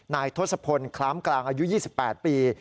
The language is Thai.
ทศพลคล้ามกลางอายุ๒๘ปี